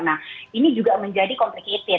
nah ini juga menjadi complicated